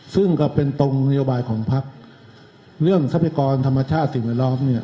ซึ่งก็เป็นตรงนโยบายของพักเรื่องทรัพยากรธรรมชาติสิ่งแวดล้อมเนี่ย